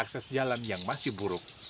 akses jalan yang masih buruk